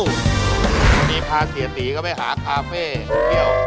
วันนี้พาเสียตรีเข้าไปหาคาเฟ่เที่ยว